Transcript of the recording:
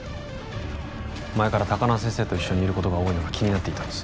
前から高輪先生と一緒にいることが多いのが気になっていたんです